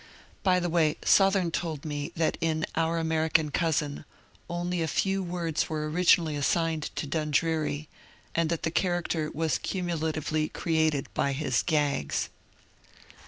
By the way, Sothem told me that in ^' Our Ameri can Cousin" only a few words were originally assigned to Dundreary, and that the character was cumulatively created by his " gags."